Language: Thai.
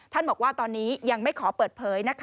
ท่านบอกว่าตอนนี้ยังไม่ขอเปิดเผยนะคะ